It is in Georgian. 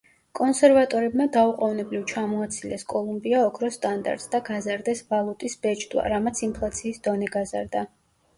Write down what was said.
კონსერვატორებმა დაუყოვნებლივ ჩამოაცილეს კოლუმბია ოქროს სტანდარტს და გაზარდეს ვალუტის ბეჭვდა, რამაც ინფლაციის დონე გაზარდა.